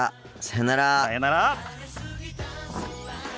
さよなら。